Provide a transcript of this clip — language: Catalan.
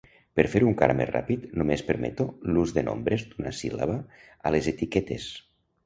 Per fer-ho encara més ràpid, només permeto l'ús de nombres d'una síl·laba a les etiquetes.